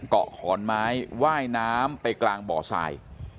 เกาะขอนไม้ว่ายน้ำไปกลางบ่อทราย